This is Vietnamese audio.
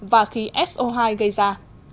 và khí so hai gây ra